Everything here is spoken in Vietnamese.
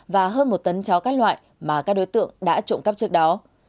và hơn một tấn chó các loại mà các đối tượng đã trộm cắp trước đó